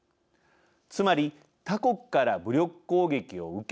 つまり、他国から武力攻撃を受け